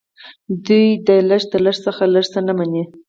دوی د لږ تر لږه څخه لږ څه نه مني